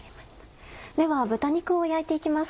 では豚肉を焼いて行きます。